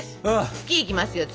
「月」いきますよ「月」！